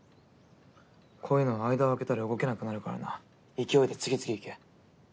こういうのは間を空けたら動けなくなるからな勢いで次々いけ。